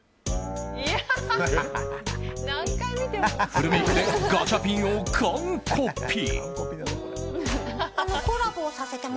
フルメイクでガチャピンを完コピ。